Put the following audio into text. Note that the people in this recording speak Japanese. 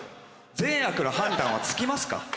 善悪の判断はつきますか？